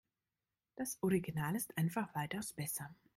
Das Original ist einfach weitaus besser.